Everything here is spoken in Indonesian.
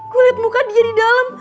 gue liat muka dia di dalam